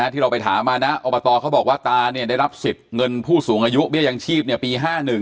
ที่เราไปถามมานะอบตเขาบอกว่าตาได้รับสิทธิ์เงินผู้สูงอายุเบี้ยยังชีพปี๕๑